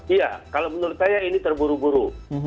iya kalau menurut saya ini terburu buru